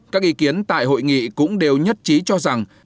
các ý kiến tại hội nghị cũng đều nhất trí cho rằng